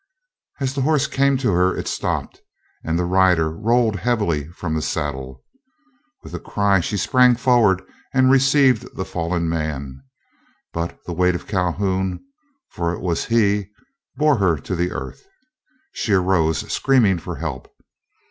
As the horse came to her it stopped, and the rider rolled heavily from the saddle. With a cry she sprang forward and received the falling man; but the weight of Calhoun, for it was he, bore her to the earth. She arose, screaming for help.